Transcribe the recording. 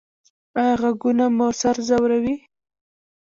ایا غږونه مو سر ځوروي؟